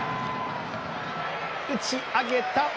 打ち上げた。